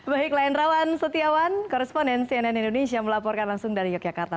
baik hendrawan sotiawan koresponen cnn indonesia melaporkan langsung dari yogyakarta